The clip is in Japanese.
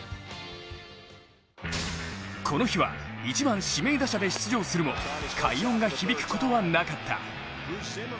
この日は１番・指名打者で出場するも快音が響くことはなかった。